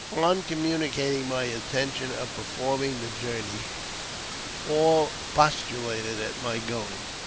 On communicating my intention of performing the journey, all expostulated at my going.